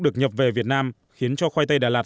được nhập về việt nam khiến cho khoai tây đà lạt